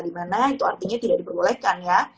di mana itu artinya tidak diperbolehkan ya